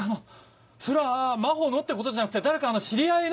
それは真帆のってことじゃなくて誰か知り合いの。